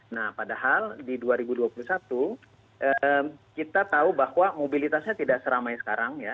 nah padahal di dua ribu dua puluh satu kita tahu bahwa mobilitasnya tidak seramai sekarang ya